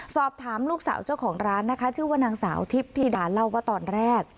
สอบถามลูกสาวเจ้าของร้านนะคะชื่อว่านางสาวทิพย์ธิดาเล่าว่าตอนแรก